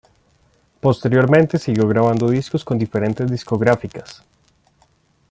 Posteriormente siguió grabando discos con diferentes discográficas.